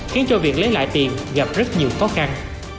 khiến cho việc lấy lại tiền gặp rất nhiều khó khăn